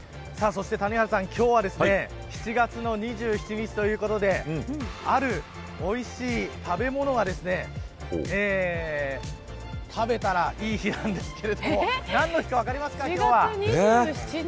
谷原さん、今日は７月の２７日ということであるおいしい食べ物を食べたらいい日なんですけど何の日か分かりますか。